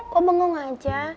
kok bengong aja